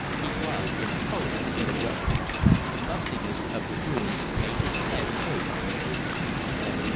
He was in a hurry to get away. The mustiness of the room made his head ache.